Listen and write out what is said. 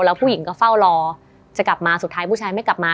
แล้วผู้หญิงก็เฝ้ารอจะกลับมาสุดท้ายผู้ชายไม่กลับมา